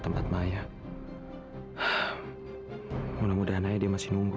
tempat maya mulai mudahnya dia masih nunggu